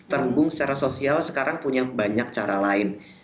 terhubung secara sosial sekarang punya banyak cara lain